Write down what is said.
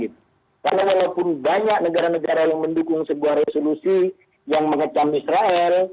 karena walaupun banyak negara negara yang mendukung sebuah resolusi yang mengecam israel